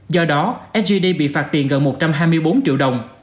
do đó sgd bị phạt tiền gần một trăm hai mươi bốn triệu đồng